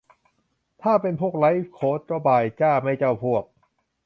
แต่ถ้าเป็นพวกไลฟ์โค้ชก็บายจ้า ไม่เจ้าพวก